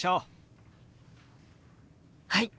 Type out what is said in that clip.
はい！